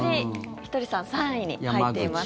ひとりさん３位に入っています。